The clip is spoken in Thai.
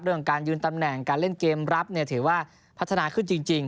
เรื่องของการยืนตำแหน่งการเล่นเกมรับถือว่าพัฒนาขึ้นจริง